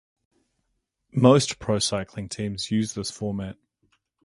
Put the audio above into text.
Most pro-cycling teams use this format.